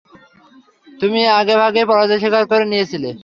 তুমি আগে ভাগেই পরাজয় স্বীকার করে নিয়েছিলে।